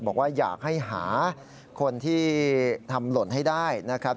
บอกว่าอยากให้หาคนที่ทำหล่นให้ได้นะครับ